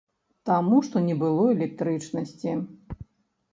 Таму што не было электрычнасці!